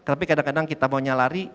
tapi kadang kadang kita maunya lari